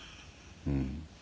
うん。